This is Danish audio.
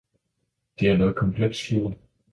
Det er noget komplet sludder.